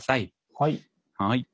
はい。